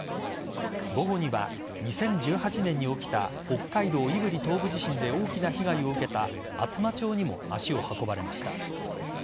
午後には２０１８年に起きた北海道胆振東部地震で大きな被害を受けた厚真町にも足を運ばれました。